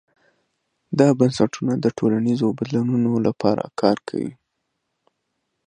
دا بنسټونه د ټولنیزو بدلونونو لپاره کار کوي.